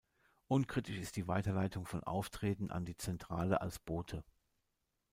Unkritisch ist die Weiterleitung von Aufträgen an die Zentrale als Bote.